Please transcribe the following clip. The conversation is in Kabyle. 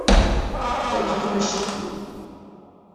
Fakk-ikem acetki!